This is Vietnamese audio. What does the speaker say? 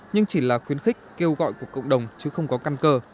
nhưng chỉ là khuyến khích kêu gọi của cộng đồng chứ không có căn cơ